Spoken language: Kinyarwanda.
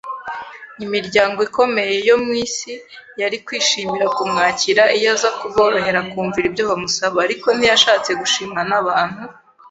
Imiryango ikomeye yo mu isi yari kwishimira kumwakira iyo aza kuborohera akumvira ibyo bamusaba; ariko ntiyashatse gushimwa n’abantu,